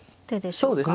そうですね。